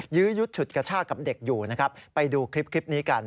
ยื้อยุดฉุดกระชากับเด็กอยู่นะครับ